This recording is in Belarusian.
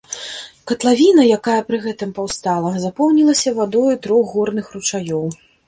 Катлавіна, якая пры гэтым паўстала, запоўнілася вадою трох горных ручаёў.